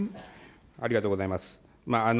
ありがとうございます。